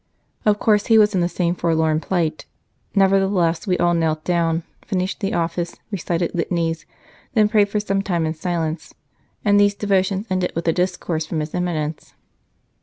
Of course he was in the same forlorn plight. Nevertheless we all knelt down, finished the Office, recited Litanies, then prayed for some time in silence, and these devotions ended with a discourse from His Eminence.